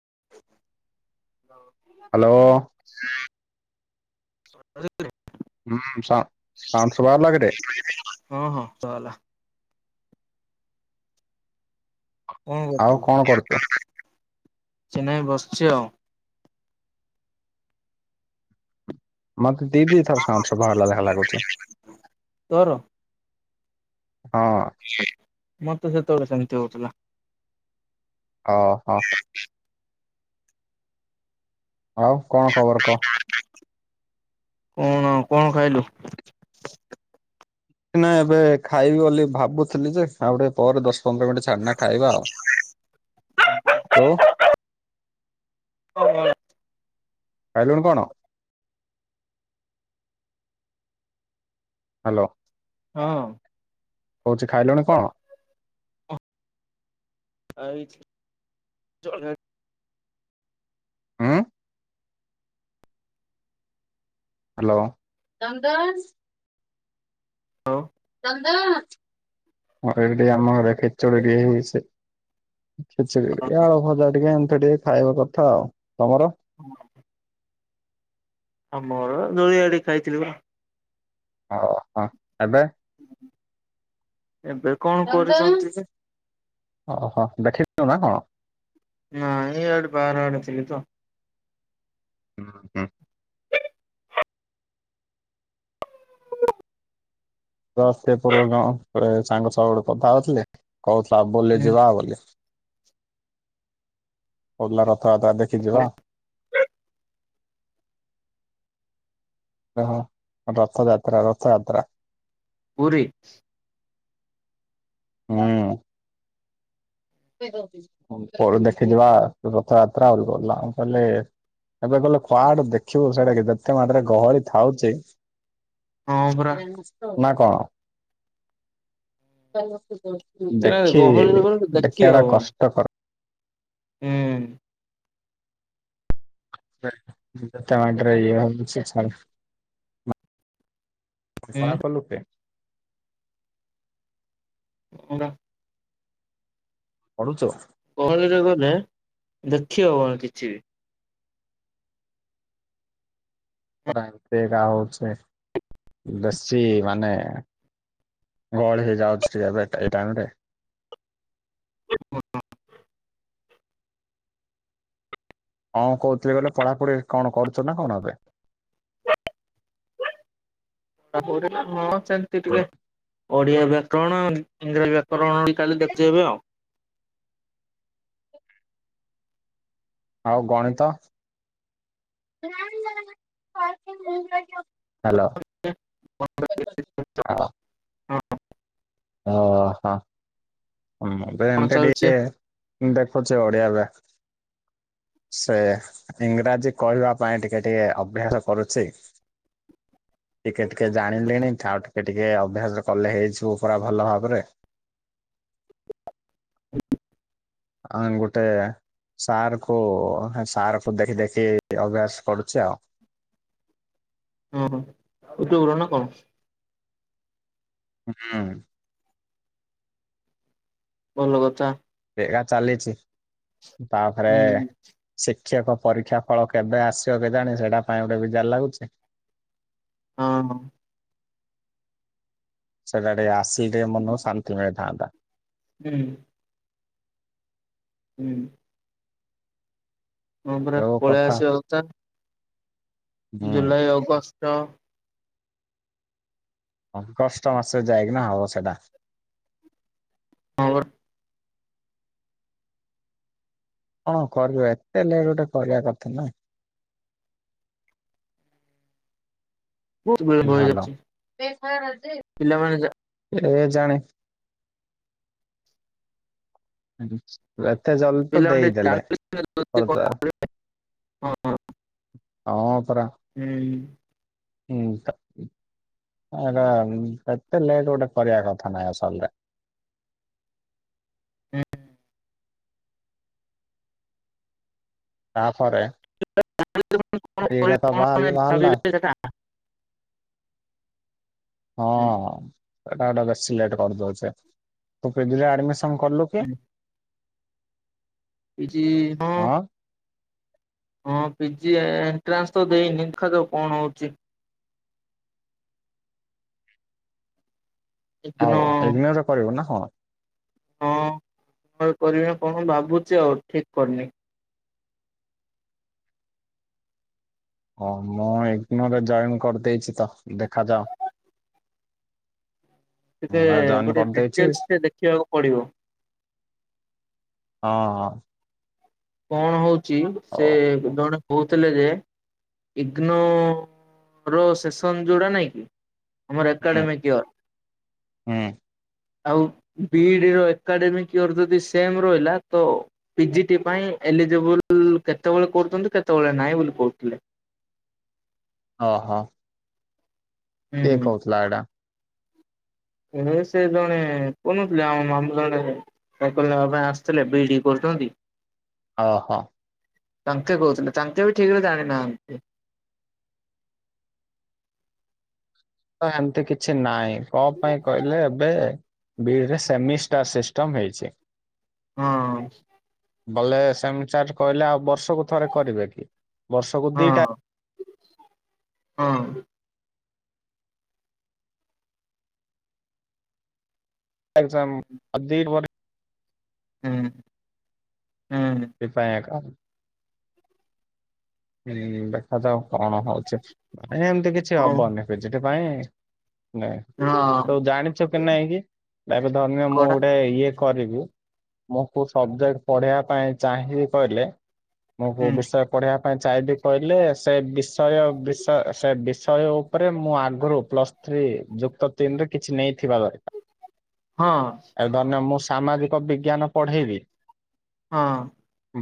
[inaudible] Hello. [unintelligible] ହୁଁ ସା ହଁ ସାଉଣ୍ଡ ଶୁଭା ଗଲା କିରେ ହଁ ହେଲା। କଣ ଆଉ କରୁଛୁ? କରଛ, ଚନାଇ ବସ୍। ଯେଅ ମତେ ଦିଦି ଥର ସାଣ୍ଡ ସ ବାହାର ଲ ଲେଖା ଲାଗୁଛ ତୋର ମତେ ସେତେବେଳେ ସେମିତି ହଉଥିଲା। ହଁ ହଁ। ଆଉ କଣ ଖବର କହ? କଣ ଆଉ କଣ ଖାଇଲୁ? ନା ଏବେ ଖାଇବି ବୋଲି ଭାବୁଥିଲି ଯେ ଆଉ ଗୋଟେ ପରେ ଦଶ ପନ୍ଦର ମିନିଟ୍ ଛାଡନା ଖାଇବା ଆଉ ତୁ [unintelligible] ଖାଇଲୁଣି କଣ ହାଲୋ ହଁ କହୁଚି ଖାଇଲୁଣି କଣ ଖାଇଚି [unintelligible] ହୁଁ। ହାଲୋ ଚନ୍ଦନ [unintelligible] ଏବେ ଟିକେ ଆମ ଘରେ ଖେଚେଡ଼ି ହେଇଚି କିଛି ବି ଏଇ ଆଳୁ ଭଜା ଟିକେ ଏମତି ଟିକେ ଖାଇବା କଥା ଆଉ ତମର [unintelligible] ମୋର [unintelligible] ଖାଇଥିଲି ବା ଓ ହ ଏବେ ଏବେ କଣ କରୁଛନ୍ତି ଓହ ଦେଖିୁ ନା କଣ ନା ଏଇଆଡେ ବାର ଆଡେ ଥିଲି ତ। ଉଁ ହୁଁ ରସ୍ ପୂର୍ବଣ ସାଙ୍ଗ ସବୁ ଗୋଟେ କଥା ଅଥିଲେ କହୁଥିଲା ବୁଲି ଯିବା ବଲି ଥା ଥା ଦେଖି ଯିବା। ଓହ ରଥଯାତ୍ରା ରଥଯାତ୍ରା। ପୁରୀ ହୁଁ ଦେଖିିଜିବା ରଥଯାତ୍ରା ଆରି କହିଲେ ଏବେ କହିଲ କୁଆଡୁ ଦେଖିବୁ ସେଇଟା କି ଯେତେ ମାଡରେ ଗହଳି ଥାଉଛି ହଁ ପରା ନା କଣ? ସେଟା ଦେଖି ଗହଳିରେ ଗଲେ ଦେଖି ଦେଖିବା ଟା ହବନି କଷ୍ଟକର। ହୁଁ ଉଁ, ତଟ ରହି [inaudible] ହୁଁ ଫଳାଫଳ ଲୋକେ ଆଜ୍ଞା, ପଢୁଚ? ଗହଳିରେ ଗଲେ ଦେଖିହଵନି କିଛି। ଏମତି କା ହଉଚି ଦେଶୀ ମାନେ ଗହଳି ହେଇଯାଉଚି ଏବେ ଏ ଟାଇମରେ। ହଁ [inaudible] କଁ କହୁଥିଲି ଗଲେ ପଢାପଢି କଣ କରୁଚ ନା କଣ ଏବେ। ପଢ଼ା ପାଢ଼ୀ ହଁ ଚାଲଚି ଟିକେ ଓଡିଆ ବ୍ୟାକରଣ ଆଉ ଇଂରାଜୀ ବ୍ୟାକରଣ କାଲି ଦେଖି ହେବେ ଆଉ ଆଉ ଗଣିତ, ହାଲୋ। ହଁ, ହଁ, ଓ ହ ମୁ ତ କଣ ଏମତି ଟିକେ ଚାଲିଛି ଦେଖୁଚି ଓଡିଆ ବା ସେ ଇଂରାଜୀ କହିବା ପାଇଁ ଟିକେ ଟିକେ ଅଭ୍ୟାସ କରୁଚି ଟିକେ ଟିକେ ଜାଣିଲେଣି ଆଉ ଟିକେ ଟିକେ ଅଭ୍ୟାସ କଲେ ହେଇଛିବ ପା ଭଲ ଭାବରେ। ଆଂ ଗୋଟେ ସାର୍ କୁ ସାର୍ କ ଦେଖି ଦେଖି ଅଭ୍ୟାସ କରୁଛି ଆଉ। [unintelligible] ଓ ହ ଉଟ ଉଲ ନା କଣ? ହଁ। ଭଲ କଥା। କିଆ ଚାଲିଛି ତାପରେ ହୁଁ ହୁଁ। ଶ ଶିକ୍ଷକ ପରୀକ୍ଷା ଫଳ କେବେ ଆସିବ କେ ଜାଣି ସେଟା ପାଇଁ ଗୋଟେ ବି ଜାର ଲାଗୁଛି। ହଁ ହ। ସେଟା ଟିକ ଆସିିକେ ମନ ଶାନ୍ତି ମିଳିଥାନ୍ତା। ହୁଁ। ହୁଁ। ହଁ ପରା ଯୋଉ ପଳେଇ କଥା ଆସିକଥା। ହୁଁ। ଜୁଲାଇ ଅଗଷ୍ଟ କଷ୍ଟ ମାସଛେ ଯାଇକି ନା ହବ ସେଟା ହ। କଣ କର ଏତେ ଲେଟ ଗୋଟେ କରିବା କଥା ନା। [unintelligible] ବହୁତ ବିଳମ୍ବ ଭଲ ହେଇଯାଉଛି। କିଏ ପିଲାମାନେ ଯା ଜାଣେ। ଆଜ୍। ପିଲା ମାନେ ଜାଳନ୍ତି। [inaudible] ହଁପରା। ହୁଁ। ହୁଁ। ଆମର ଏତେ ଲେଟ ଗୋଟେ କରିବା କଥା ନାଇଁ ସରଲେ। [unintelligible] ହୁଁ। ତାପରେ। ା ଏଇଟା ତ ବାହାରିଲା ବାହାରିଲା [unintelligible] ହଁ ହୁଁ ସେଟାଗୁଟେ ବେଶି ଲେଟ କରିଦଉଛେ ତୁ କେମିତି ଆଡ଼ ଘର ଲୋକେ। ହୁଁ ପିଜି ହଁ। ହଁ ପିଜି ଏଣ୍ଟ୍ରାନ୍ସ ତ ଦେଇନି ଦେଖା ତ କଣ ହଉଛି। ଇଗ୍ନୋ ଆଉ ଇଗ୍ନୋର କରିବ ନା ହଁ। ହଁ ମୁ କରିବିନି କଣ ଭାବୁଛି ଆଉ ଠିକ କରିନି। ହଁ ମୁଁ ଏଗନୋରେ ଜଏନ୍ କରିଦେଇଛି ତ ଦେଖାଯାଅ। [unintelligible] ଟେ ଗୋଟେ ଡିଟେଲସ ଟ ଦେଖିବାକୁ ପଡିବ। ହଁ। କଣ ହଉଛି ଓ ସେ ଜଣେ। କହୁଥିଲେ ଯେ ଇଗ୍ନୋର ସେସନ୍ ଯେଉଁଟା ନାଇଁ କି। ଆମର ହୁଁ ଏକାଡେମୀ କିଓର। ହୁଁ ଆଉ ବିଇଡି ର ଏକାଡେମିକିଅର ଯଦି ସେମ ରହିଲା ତ ପିଜିଟି ପାଇଁ। ଏଲିଜିବୁଲ କେତେବେଳେ କହୁଛନ୍ତି କେତେବେଳେ ନାହିଁ ବୋଲି କହୁଥିଲେ। ଓ ହୋ। କେ ହୁଁ କହୁଥିଲଥିଲା ଏଇଟା। ଏ ସେ ଜଣେ କନଥିଲେ ଆମ ମାମୁ ଜଣେ। ଏମ କରିବା ପାଇଁ ଆସିଥିଲେ ବିଡି କରୁଚନ୍ନ୍ତି। ଓହୋ। ତାଙ୍କେ କହୁଥିଲେ ତାଙ୍କେ ବି ଠିକରେ ଜାଣି ନାହାନ୍ତି। ଏମିତି କିଛି ନାହିଁ କଣ ପାଇଁ କହିଲେ ଏବେ ବିଇଡରେ ସେମିଷ୍ଟାର ସିଷ୍ଟମ ହେଇଛି। ହଁ ବଲେ ସେମି ଷ୍ଟାର କହିଲେ ଆଉ ବର୍ଷକୁ ଥରେ କରିବେ କି ବର୍ଷକୁ ଦିଟା। ହଁ ହଁ, ଏଗଜାମ ବିଇଡି ପରେ ହୁଁ, ହୁଁ ସେପ କ [inaudible] ହୁଁ ଦେଖାଯାଉ କଣ ହଉଛି ମାନେ ଏମିତି କିଛି ହଉ ହବନି ସେଠି ନାଇଁ। ନାଇଁ ତୁ ହଁ ଜାଣିଛୁ କେ ନାଇଁ କିି ଏବେ ଧନ୍ୟ ମୁଁ କଡା ଗୋଟେ ଇଏ କରିବି ମୁଁକୁ ସବଜେକ୍ଟ ପଢେଇବା ପାଇଁ ଚାହିଁ କହିଲେ ମୁଁ କଉ ହୁଁ ବିଷୟରେ ପଢେଇଆ ପାଇଁ ଚାହିବି କହିଲେ ସେ ବିଷୟ ବିଷୟ ସେ ବିଷୟ ଉପରେ ମୁଁ ଆଗରୁ ପ୍ସ୍ ଥ୍ରୀ ଯୁକ୍ତ ତିନରେ କିଛି ନେଇ ଥିବା ଦରକାର ହଁ ଆଉ ଧନ୍ୟ ମୁଁ ସାମାଜିକ ବିଜ୍ଞାନ ପଢେଇବି ହଁ,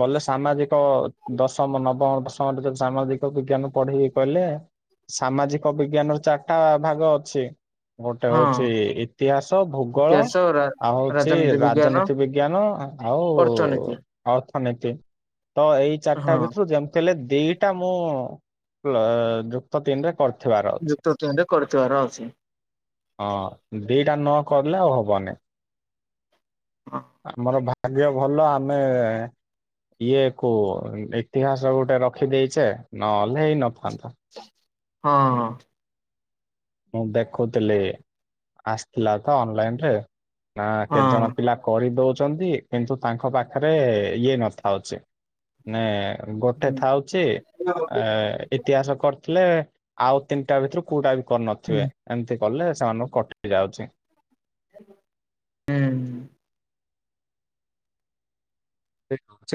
ବଲେ ସାମାଜିକ ଦଶମ ନବମ ଦଶମରେ ଯଦି ସାମାଜିକ ବିଜ୍ଞାନ ପଢେଇିବି କହିଲେ। ସାମାଜିକ ବିଜ୍ଞାନ ର ଚାରିଟା ଭାଗ ଅଛି। ଗୋଟେ ହୋଉଛି ହଁ ଇତିହାସ ଭୂଗୋଳ। ଇତିହାସ ରା ଆଉ ହୋଉଚି ରାଜନୀତି ବିଜ୍ଞାନ ରାଜନୀତି ବିଜ୍ଞାନ ଆଉ ଅର୍ଥନୀତି ଆଉ ଅନକ ତ ଏଇ ଚାରିଟା ହଁ ଭିତରୁ ଯେମତି ଲେ ଦିଇଟା ମୁଁ ଯୁକ୍ତ ନ କରି ବାର ଅଛି ଯୁକ୍ତ ତିନିରେ କରିଥିବାର ଅଛି ହଁ। ଦିଇଟା ନ କଲେ ଆଉ ହବନି ହଁ ଆମର ଭ ଭାଗ୍ୟ ଭଲ ଆମେ ଇଏ କ ଇତିହାସ ଗୋଟ ରଖିଦେଇଚେ ନହେଲେ ହେଇ ନଥାନ୍ତ। ହଁ ହଁ। ମୁଁ ଦେଖୁଥିଲି ଆସିଥିଲା ତ ଅନଲାଇନ ରେ ନା କେତେ ଜଣ ହଁ ପିଲା କରିଦୋଉ କିନ୍ତୁ ତାଙ୍କ ପାଖରେ ଇଏ ନଥା ଅଛି। ଏ ଗୋଟେ ହୁଁ ଥାଉଚି ଆ ଇତିହାସ କର ଥିଲେ ଆଉ ତିନିଟା ଭିତରୁ କୋଉଟା ବି କରିନଥିବେ ହୁଁ ଏମିତି। କଲେ ସେମାନଙ୍କୁ କଟି ଯାଉଚି। ହୁଁ ହୁଁ।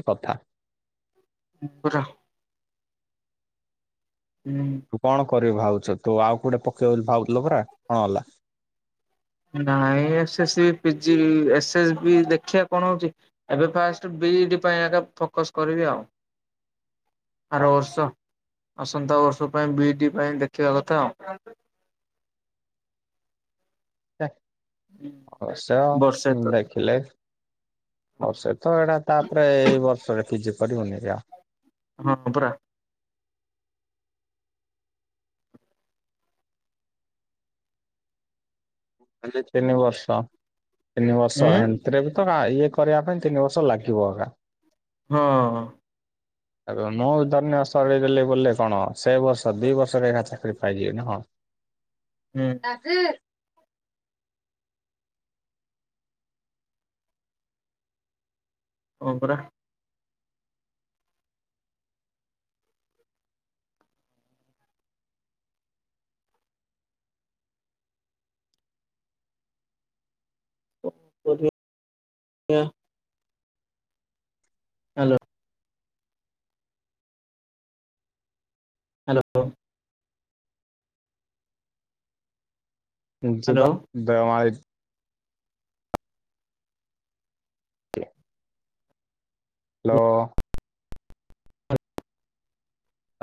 କଥା ବୁର ହୁଁ। ଭାଉଛର ତୁ ଆଉ କୋଟେ ପକେଇ ଭାବୁଥିଲ ପରା କଣ ହେଲା? ନା ସେ ପିଜି ଏସ୍ ଏସ୍ ବି ଦେଖିବା କଣ ହଉଚି ଏବେ ଫାଷ୍ଟ ବିଇ ପାଇଁ ଆ ଫୋକସ କରିବି ଆଉ। ହ ଅରୋଡ଼ଷ ଆସନ୍ତା ବର୍ଷ ପାଇଁ ବି ଡି ପାଇଁ ଦେଖିବା କଥା। ବର୍ଷେ ତ ଅବଶ୍ୟ ଦେଖିଲେ ବର୍ଷେ ତ ଏଇଟା ତାପରେ ଏଇ ବର୍ଷରେ କିଜି କରିବୁନି ଆଉ। ହଁ ପରା। ତିନି ବର୍ଷ ତିନି ବର୍ଷ ଉଁ ଏତିରେ ବି ତ ଇଏ କରିବା ପାଇଁ ତିନି ବର୍ଷ ଲାଗିବ ଆଗା ହଁ। ଆ ମୁଁ ଧନ୍ୟ ସରଇଗଲି ବୋଲେ କଣ ସେ ବର୍ଷ ଦି ବର୍ଷରେ ରେ ଆଗ ଚାକିରି ପାଇଯିବି ନା ହୁଁ କଣ। [inaudible] ହ ପରା। ଓଆ [inaudible] ହାଲୋ। ହାଲୋ। ହ୍ୟାଲୋ। ଯିବା ଦେଓମାଳି। ହ୍ୟାଲୋ।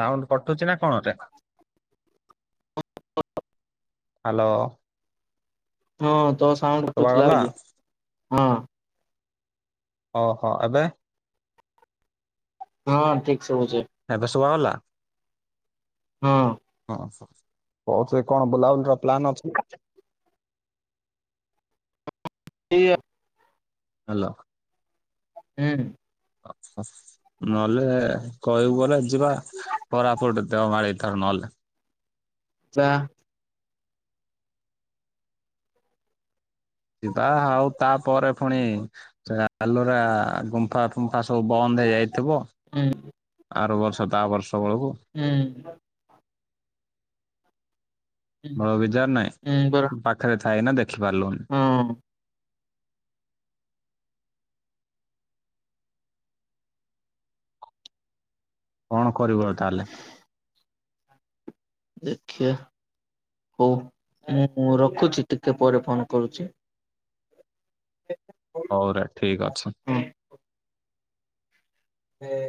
ସାଉଣ୍ଡ କଟୁଛି ନା କଣ ଟେ ହାଲୋ। ହଁ ତୋ ସାଉଣ୍ଡୁ କଟୁ ଥିଲା ବୋଲି ହଁ। ଓହୋ ଏବେ ହଁ ଠିକ ଶୁଭୁଛି। ଏବେ ଶୁଭାଗଲା? ହଁ। କହୁଛ କଣ ବୁଲାବୁଲିର ପ୍ଲାନ ଅଛି ନା। [inaudible] ହାଲୋ। ହୁଁ। ନହେଲେ କହିବୁ ଗଲେ ଯିବା କୋରାପୁଟ ଦେଓମାଳି ଥରେ ନହେଲେ। ଚା। ଯିବା ଆଉ ତାପରେ ପୁଣି ସେ ଆଲୋରା ଗୁମ୍ଫା ଗୁମ୍ଫା ସବୁ ବନ୍ଦ ହେଇଯାଇଥିବ ହୁଁ ଆର ବର୍ଷ ତା ବର୍ଷ ବେଳକୁ ହୁଁ। ବଡ଼ ବିଜାର ନାଇଁ ହୁଁ ପରା ପାଖରେ ଥାଇ ନା ଦେଖିପାରିଲୁନି ହଁ କଣ କରିବୁ, ଆଉ ତାହେଲେ? ଦେଖିବା। ହଉ ମୁଁ ରଖୁଛି ଟିକେ ପରେ ଫୋନ କରୁଛି। ହଉରେ ଠିକ୍ ଅଛି। ହୁଁ।